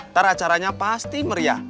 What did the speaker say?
ntar acaranya pasti meriah